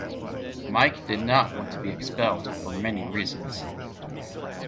Mike did not want to be expelled, for many reasons.